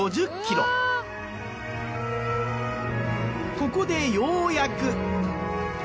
ここでようやく。